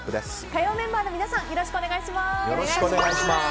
火曜メンバーの皆さんよろしくお願いします！